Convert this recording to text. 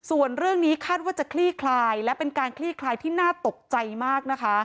ส่วนเรื่องนี้คาดว่าจะคลี่คลายและเป็นการคลี่คลายที่น่าตกใจมากนะคะ